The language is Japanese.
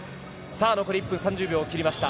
残り１分３０秒を切りました。